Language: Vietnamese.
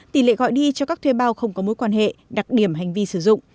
tỷ lệ gọi đi cho các thuê bao không có mối quan hệ đặc điểm hành vi sử dụng